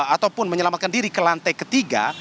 ataupun menyelamatkan diri ke lantai ketiga